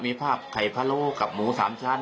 มีภาพไข่พะโลกับหมู๓ชั้น